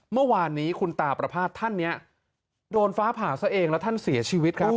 เมื่อวานนี้คุณตาประพาทท่านนี้โดนฟ้าผ่าซะเองแล้วท่านเสียชีวิตครับ